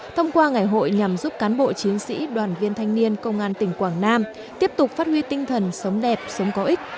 thông qua ngày hội nhằm giúp cán bộ chiến sĩ đoàn viên thanh niên công an tỉnh quảng nam tiếp tục phát huy tinh thần sống đẹp sống có ích